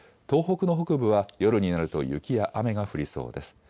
東北の北部は夜になると雪や雨が降りそうです。